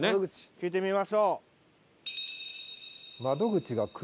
聞いてみましょう。